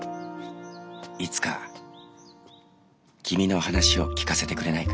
いつか君の話を聞かせてくれないか？」。